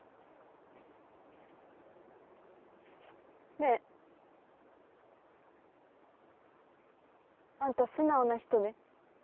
ねえ。あんた素直な人ね。